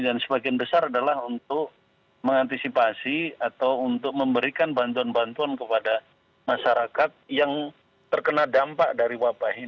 dan sebagian besar adalah untuk mengantisipasi atau untuk memberikan bantuan bantuan kepada masyarakat yang terkena dampak dari wabah ini